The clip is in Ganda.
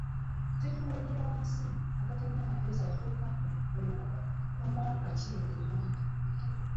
tekinologiya w'amasimu agatalina mapeesa yatuuka mwaka ki mu uganda?